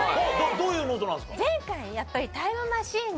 どういうノートなんですか？